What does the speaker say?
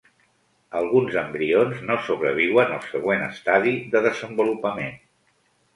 Alguns embrions no sobreviuen al següent estadi de desenvolupament.